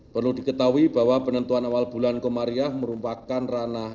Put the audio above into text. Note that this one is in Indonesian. perlu diketahui bahwa penentuan awal bulan komariah merupakan ranah